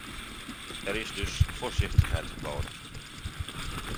Er is dus voorzichtigheid geboden.